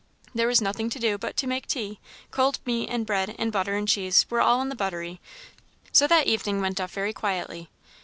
There was nothing to do but to make tea; cold meat and bread and butter and cheese were all in the buttery; so that evening went off very quietly.